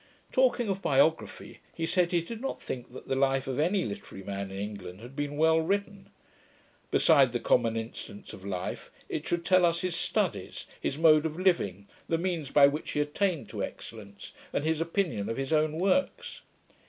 Talking of biography, he said, he did not think that the life of any literary man in England had been well written. Beside the common incidents of life, it should tell us his studies, his mode of living, the means by which he attained to excellence, and his opinion of his own works.